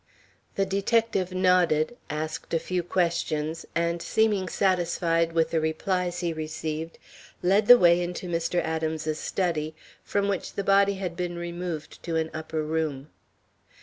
The detective nodded, asked a few questions, and seeming satisfied with the replies he received, led the way into Mr. Adams's study, from which the body had been removed to an upper room.